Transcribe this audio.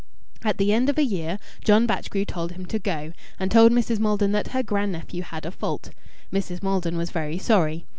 At the end of a year John Batchgrew told him to go, and told Mrs. Maldon that her grand nephew had a fault. Mrs. Maldon was very sorry.